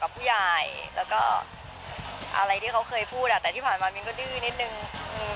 ก็ดูไปก่อนค่ะมันเร็วมากเลยค่ะ